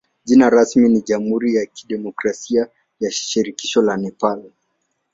Jina rasmi ni jamhuri ya kidemokrasia ya shirikisho la Nepal.